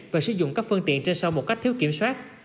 và sử dụng các phương tiện trên sau một cách thiếu kiểm soát